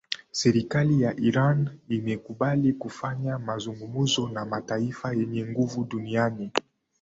serikali ya iran imekubali kufanya mazungumzo na mataifa yenye nguvu duniani